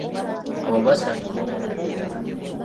Abo basangibwa Mawokota.